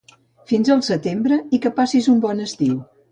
Fins al setembre i que passis un bon estiu.